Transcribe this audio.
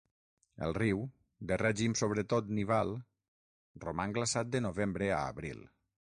El riu, de règim sobretot nival, roman glaçat de novembre a abril.